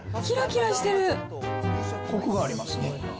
こくがありますね。